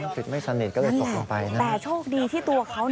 ปิดไม่สนิทก็เลยตกลงไปนะแต่โชคดีที่ตัวเขา